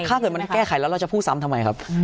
ถ้าเกิดมันแก้ไขแล้วเราจะพูดซ้ำทำไมครับ